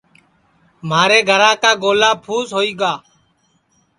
مھارے گھرا کا گولا پُھس ہوئی گا